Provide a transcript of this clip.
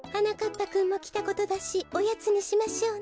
ぱくんもきたことだしおやつにしましょうね。